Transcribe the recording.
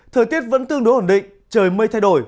thời tiết vẫn tương đối ổn định trời mây thay đổi